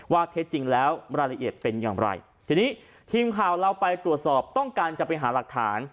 เท็จจริงแล้วรายละเอียดเป็นอย่างไรทีนี้ทีมข่าวเราไปตรวจสอบต้องการจะไปหาหลักฐาน